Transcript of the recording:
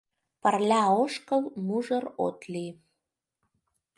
Пырля ошкыл, мужыр от лий.